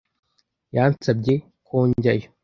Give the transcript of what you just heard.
yansabye ko njyayo